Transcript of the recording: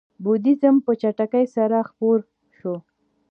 بودیزم په چټکۍ سره خپور شو.